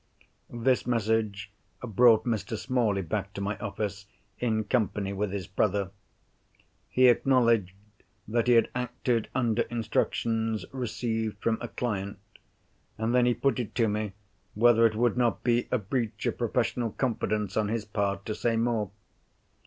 This message brought Mr. Smalley back to my office in company with his brother. He acknowledged that he had acted under instructions received from a client. And then he put it to me, whether it would not be a breach of professional confidence on his part to say more.